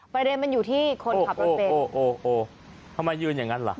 ประเด็นมันอยู่ที่คนขับรถเต็มโอ้โหโอ้โหทำไมยืนอย่างงั้นเหรอ